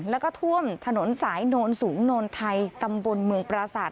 แล้วก็ท่วมถนนสายโนนสูงโนนไทยตำบลเมืองปราศาสต